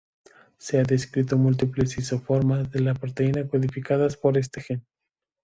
Se han descrito múltiples isoformas de la proteína codificadas por este gen.